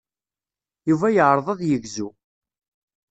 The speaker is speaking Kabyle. Yuba yeɛreḍ ad yegzu.